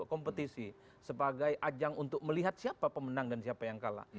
kompetisi sebagai ajang untuk melihat siapa pemenang dan siapa yang kalah